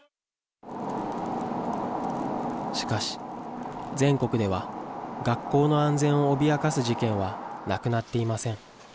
しかし、全国では学校の安全を脅かす事件はなくなっていません。